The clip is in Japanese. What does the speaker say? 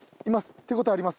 手応えあります。